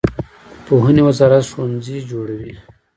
پوهنې وزارت ښوونځي جوړوي